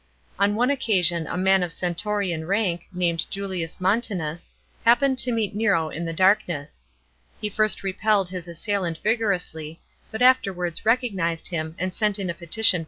On one occasion a man of senatorian rank, named Julius Montanus, happened to meet Nero in the darkness. He first repelled his assailant vigorously, but afterwards recognised him, and sent in a petition for pardon.